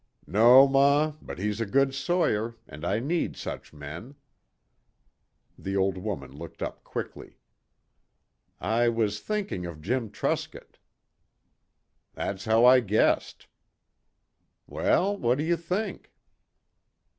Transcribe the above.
"No, ma. But he's a good sawyer and I need such men." The old woman looked up quickly. "I was thinking of Jim Truscott." "That's how I guessed." "Well? What do you think?"